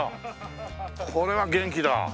これは元気だ。